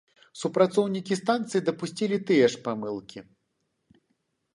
Супрацоўнікі станцыі дапусцілі тыя ж памылкі.